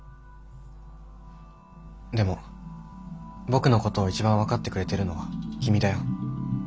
でも僕のことを一番分かってくれてるのは君だよ。